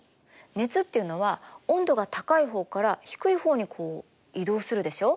熱っていうのは温度が高い方から低い方にこう移動するでしょ？